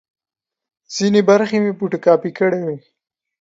ځینې برخې مې فوټو کاپي کړې وې.